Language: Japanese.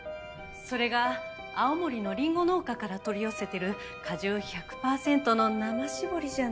それが青森のリンゴ農家から取り寄せてる果汁１００パーセントの生搾りじゃないと。